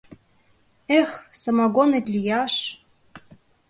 — Эх, самогонет лияш!